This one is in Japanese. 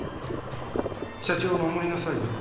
社長を守りなさいよ